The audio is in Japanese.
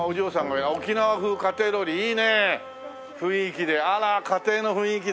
雰囲気であら家庭の雰囲気で。